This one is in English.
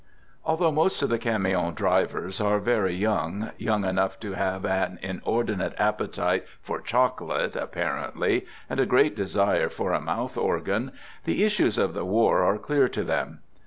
Although most of the camion drivers are very young, young enough to have an inordinate appetite for chocolate, apparently, and a great desire for a mouth organ, the issues of the war are clear to them.